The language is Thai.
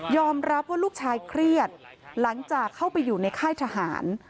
รับว่าลูกชายเครียดหลังจากเข้าไปอยู่ในค่ายทหาร